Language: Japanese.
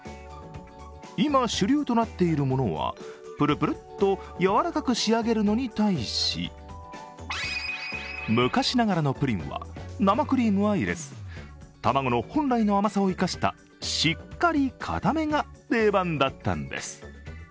今、主流となっているものはプルプルッと柔らかく仕上げるのに対し昔ながらのプリンは、生クリームは入れず卵の本来の甘さを生かした、しっかり固めが定番だったのです。